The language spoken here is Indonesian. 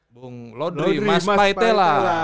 bung lodri mas paitela